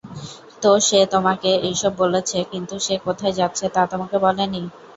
তো সে তোমাকে এইসব বলেছে কিন্তু সে কোথায় যাচ্ছে তা তোমাকে বলেনি?